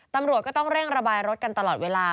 ตำรวจก็ต้องเร่งระบายรถกันตลอดเวลา